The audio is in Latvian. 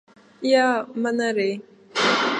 Jā, man arī.